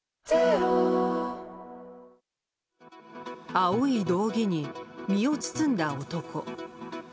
青い道着に身を包んだ男。